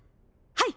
はい。